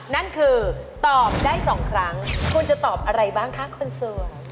นั่นคือตอบได้๒ครั้งคุณจะตอบอะไรบ้างคะคนโสด